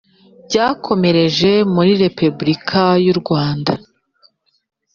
Byakomereje muri Repebulika y u Rwanda